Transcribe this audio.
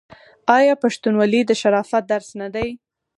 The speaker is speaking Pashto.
آیا پښتونولي د شرافت درس نه دی؟